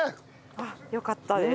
あっよかったです。